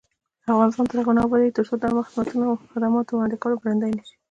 افغانستان تر هغو نه ابادیږي، ترڅو د عامه خدماتو وړاندې کول ګړندی نشي.